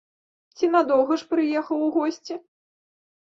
Ці надоўга ж прыехаў у госці?